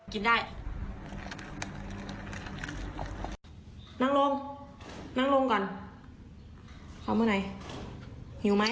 กินได้